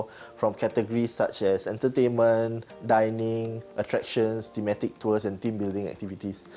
dari kategori seperti entertainment dining attraction tour thematic dan aktivitas pembangunan tim